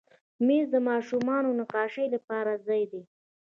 مېز د ماشومانو نقاشۍ لپاره ځای دی.